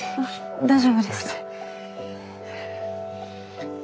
大丈夫です？